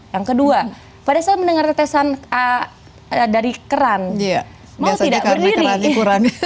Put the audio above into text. yang kedua pada saat mendengar tetesan dari keran mau tidak berdiri